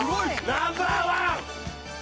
ナンバーワン！